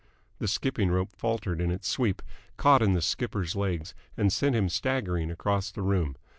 The skipping rope faltered in its sweep, caught in the skipper's legs, and sent him staggering across the room.